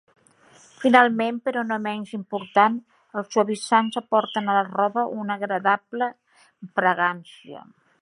Finalment, però no menys important, els suavitzants aporten a la roba una agradable fragància.